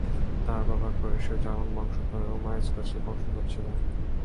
তার বাবা ক্রোয়েশীয় ও জার্মান বংশোদ্ভূত এবং মা স্কটিশ বংশোদ্ভূত ছিলেন।